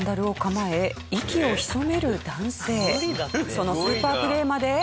そのスーパープレーまで。